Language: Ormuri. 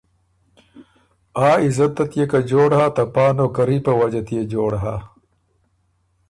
آ عزتت يې که جوړ هۀ ته پا نوکري په وجه تيې جوړ هۀ